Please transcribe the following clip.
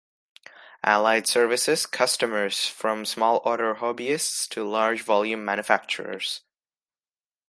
Allied services customers from small order hobbyists to large volume manufacturers.